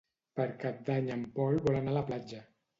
Per Cap d'Any en Pol vol anar a la platja.